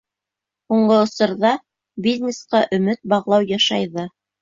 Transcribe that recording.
Һуңғы осорҙа бизнесҡа өмөт бағлау йышайҙы.